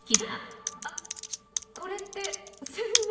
あっこれって洗脳？